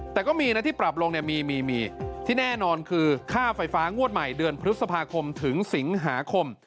แต่ก็มีนะที่ปรับลงเนี่ยมีที่แน่นอนคือค่าไฟฟ้างวดใหม่เดือนพฤษภาคมถึงสิงหาคม